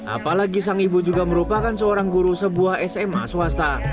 apalagi sang ibu juga merupakan seorang guru sebuah sma swasta